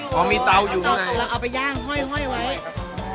มันมีเตาอยู่อ๋อมีเตาอยู่เอาไปย่างห้อยให้